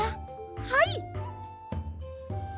はい！